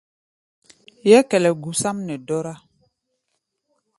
Yɛ́kɛlɛ gusáʼm nɛ dɔ́rá.